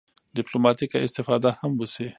ډیپلوماټیکه استفاده هم وشي.